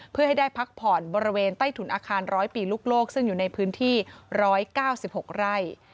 เพื่อให้ได้พักผ่อนบริเวณใต้ถุนอาคาร๑๐๐ปีลูกโลกซึ่งอยู่ในพื้นที่๑๙๖ไร่